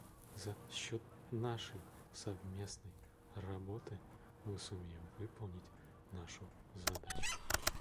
За счет нашей совместной работы мы сумеем выполнить нашу задачу.